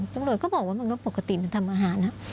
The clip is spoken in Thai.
ตำรวจก็บอกว่ามันก็ปกติมันทำอาหาร